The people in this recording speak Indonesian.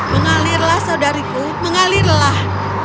mengalirlah saudariku mengalirlah